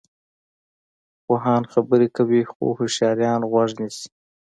پوهان خبرې کوي خو هوښیاران غوږ نیسي.